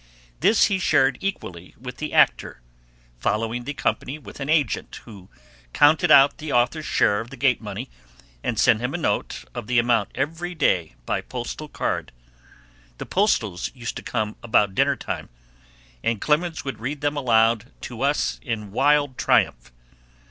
This he shared equally with the actor, following the company with an agent, who counted out the author's share of the gate money, and sent him a note of the amount every day by postal card. The postals used to come about dinner time, and Clemens would read them aloud to us in wild triumph.